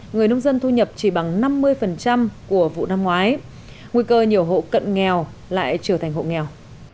người nông dân thu nhập chỉ bằng năm mươi của vụ năm ngoái nguy cơ nhiều hộ cận nghèo lại trở thành hộ nghèo